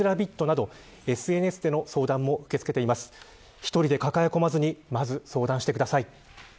１人で抱え込まずにまず相談してください。